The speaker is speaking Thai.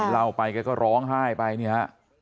เล่าไปแกก็ร้องไห้ไปเนี่ยฮะ